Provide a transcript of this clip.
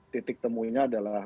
titik temunya adalah